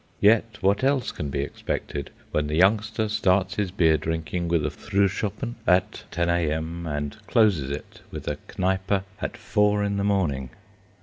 Yet what else can be expected, when the youngster starts his beer drinking with a "Fruhschoppen" at 10 a.m., and closes it with a "Kneipe" at four in the morning?